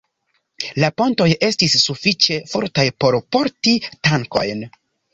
La pontoj estis sufiĉe fortaj por porti tankojn.